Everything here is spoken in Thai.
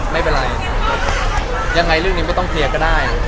ไม่เป็นไรยังไงเรื่องนี้ไม่ต้องเคลียร์ก็ได้